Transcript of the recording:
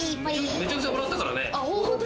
めちゃくちゃ笑ったからね！